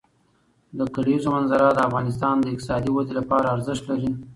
د کلیزو منظره د افغانستان د اقتصادي ودې لپاره ارزښت لري.